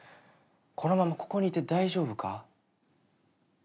このままここにいて大丈夫か？